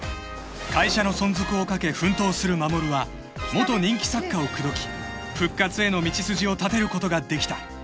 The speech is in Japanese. ［会社の存続をかけ奮闘する衛は元人気作家を口説き復活への道筋を立てることができた］